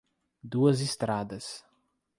Duas Estradas